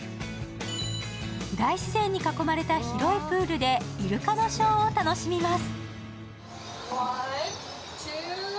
大自然に囲まれた広いプールでイルカのショーを楽しみます。